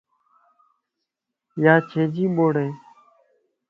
ياچيجي ٻوڙائي